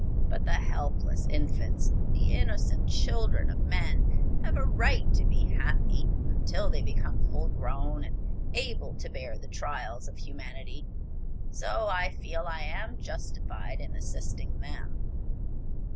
But the helpless infants, the innocent children of men, have a right to be happy until they become full grown and able to bear the trials of humanity. So I feel I am justified in assisting them.